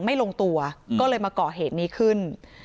ลงตัวก็เลยมาก่อเหตุนี้ขึ้น